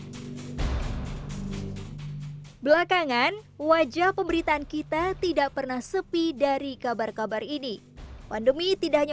hai belakangan wajah pemberitaan kita tidak pernah sepi dari kabar kabar ini pandemi tidaknya